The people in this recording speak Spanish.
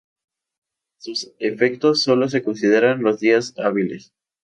A sus efectos, solo se consideran los días hábiles.